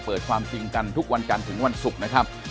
พอดีคุณกันช่วยผ่าน